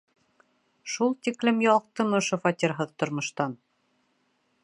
Шул тиклем ялҡтым ошо фатирһыҙ тормоштан...